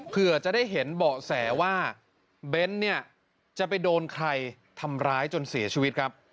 เผื่อจะได้เห็นเบาะแสว่าเบ้นเนี่ยจะไปโดนใครทำร้ายจนเสียชีวิตครับ